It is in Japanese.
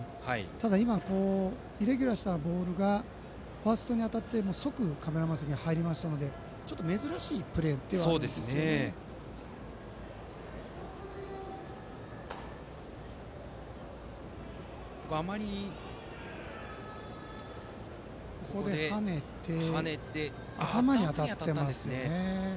ただ、今のはイレギュラーしたボールがファーストに当たって即カメラマン席に入ったのでちょっと珍しいプレーではあるんですよね。跳ねたあとに頭に当たったんですね。